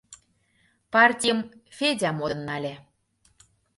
Партийым Федя модын нале.